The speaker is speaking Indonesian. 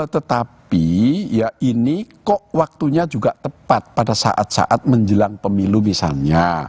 tetapi ya ini kok waktunya juga tepat pada saat saat menjelang pemilu misalnya